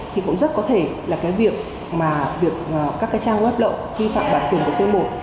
thì cũng rất có thể là cái việc mà các trang web lậu vi phạm bản quyền của c một